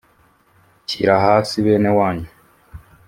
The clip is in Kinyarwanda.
shyira hasi benewanyu